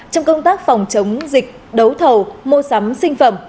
trong công tác phòng chống dịch đấu thầu mua sắm sinh phẩm